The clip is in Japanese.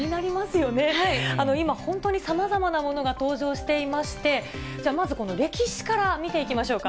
今、本当にさまざまなものが登場していまして、じゃあ、まずこの歴史から見ていきましょうか。